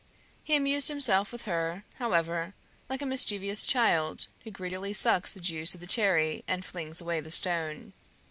He amused himself with her, however, like a mischievous child who greedily sucks the juice of the cherry and flings away the stone.